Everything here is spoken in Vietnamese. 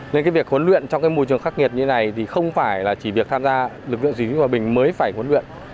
nên cái việc huấn luyện trong cái môi trường khắc nghiệt như này thì không phải là chỉ việc tham gia lực lượng gìn giữ hòa bình mới phải huấn luyện